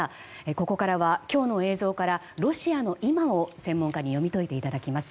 ここからは今日の映像からロシアの今を専門家に読み解いていただきます。